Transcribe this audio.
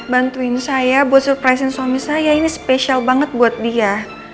bantuin saya buat surprise suami saya ini spesial banget buat dia